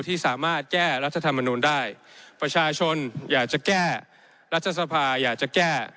ที่สามารถแก้รัฐธรรมนูลได้ประชาชนอยากจะแก้รัฐสภาอยากจะแก้